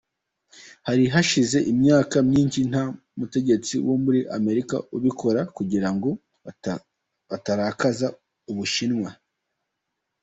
Hari hashize imyaka myinshi nta mutegetsi wo muri Amerika ubikora kugirango batarakaza Ubushinwa.